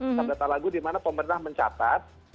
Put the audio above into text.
pusat data lagu di mana pemerintah mencatat